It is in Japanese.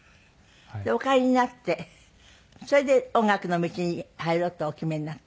でお帰りになってそれで音楽の道に入ろうとお決めになった？